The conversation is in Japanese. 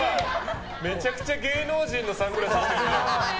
めちゃくちゃ芸能人のサングラスしている。